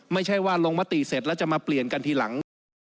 ไม่ใช่ว่าลงมติเสร็จแล้วจะมาเปลี่ยนกันทีหลัง